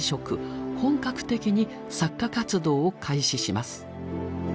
本格的に作家活動を開始します。